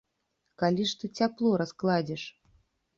Калі ж ты цяпло раскладзеш?